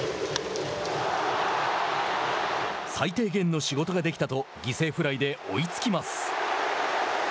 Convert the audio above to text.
最低限の仕事ができたと犠牲フライで追いつきます。